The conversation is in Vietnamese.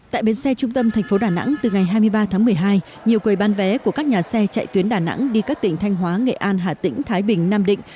tại bến xe trung tâm thành phố đà nẵng từ ngày hai mươi ba tháng một mươi hai nhiều quầy bán vé của các nhà xe chạy tuyến đà nẵng đi các tỉnh thanh hóa nghệ an hà tĩnh thái bình nam định